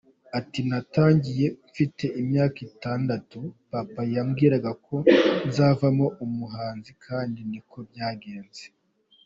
Ati “Natangiye mfite imyaka itandatu, papa yambwiraga ko nzavamo umuhanzi kandi niko byagenze.